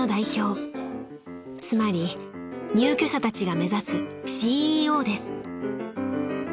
［つまり入居者たちが目指すＣＥＯです］